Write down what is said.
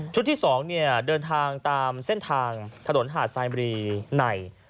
ชุดที่๒เนี่ยเดินทางตามเส้นทางถนนหาดไซน์บรีใน